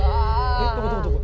えどこどこどこ。